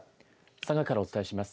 佐賀からお伝えします。